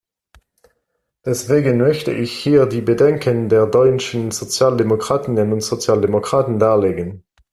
Deswegen möchte ich hier die Bedenken der deutschen Sozialdemokratinnen und Sozialdemokraten darlegen.